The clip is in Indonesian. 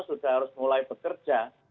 sudah harus mulai bekerja